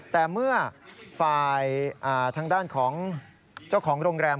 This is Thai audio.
แต่เมื่อฝ่ายทางด้านของเจ้าของโรงแรม